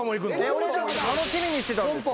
楽しみにしてたんです。